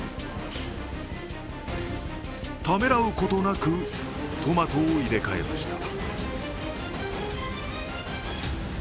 ためらうことなく、トマトを入れ替えました。